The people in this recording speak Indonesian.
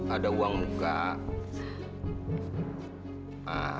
ada uang buka